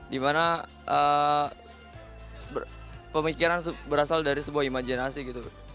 dimana pemikiran berasal dari sebuah imajinasi gitu